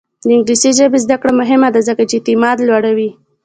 د انګلیسي ژبې زده کړه مهمه ده ځکه چې اعتماد لوړوي.